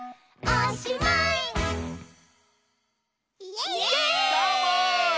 イエーイ！